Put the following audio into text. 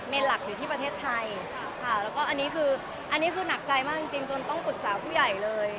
หลักอยู่ที่ประเทศไทยค่ะแล้วก็อันนี้คืออันนี้คือหนักใจมากจริงจนต้องปรึกษาผู้ใหญ่เลย